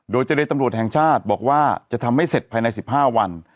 โดยเจรตำรวจแห่งชาติบอกว่าจะทำให้เสร็จภายใน๑๕วัน